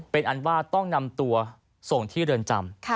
เป็นอันว่าต้องนำตัวส่งที่เรือนจำ